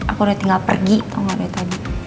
aku udah tinggal pergi tau gak dari tadi